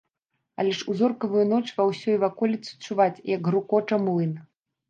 Але ж у зоркавую ноч ва ўсёй ваколіцы чуваць, як грукоча млын.